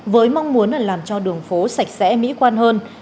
với mong muốn làm cho đường phố sạch sẽ mỹ quan hơn